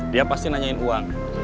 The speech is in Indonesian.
dia pasti nanyain uang